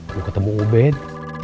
mau ketemu ubed